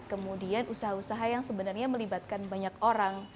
kemudian usaha usaha yang sebenarnya melibatkan banyak orang